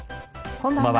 こんばんは。